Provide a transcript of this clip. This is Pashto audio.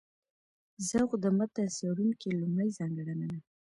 ذوق د متن څېړونکي لومړۍ ځانګړنه ده.